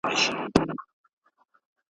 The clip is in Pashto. خو زه مړ یم د ژوندیو برخه خورمه `